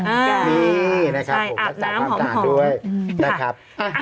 นี่นะครับผมและจากความสาธารด้วยนะครับอาบน้ำหอมค่ะ